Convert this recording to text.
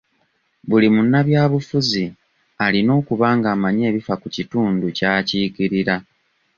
Buli munnabyabufuzi alina okuba ng'amanyi ebifa ku kitundu ky'akiikirira.